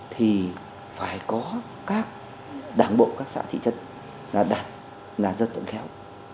thì phải có các đảng bộ các xã thị chất là đạt là dân vận khéo